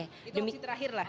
itu opsi terakhir lah